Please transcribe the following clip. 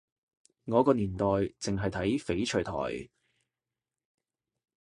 我個年代淨係睇翡翠台